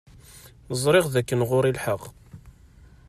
Ẓṛiɣ dakken ɣuṛ-i lḥeɣ.